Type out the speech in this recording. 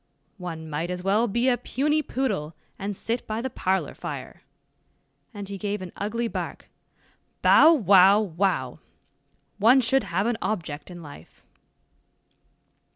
One might as well be a puny poodle, and sit by the parlor fire," and he gave an ugly bark, "bow, wow, wow! one should have an object in life."